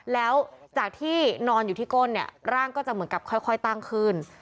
แล้วจากที่นอนอยู่ที่ก้นเนี่ยร่างก็จะเหมือนกับค่อยตั้งขึ้น